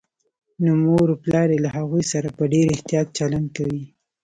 نو مور و پلار يې له هغوی سره په ډېر احتياط چلند کوي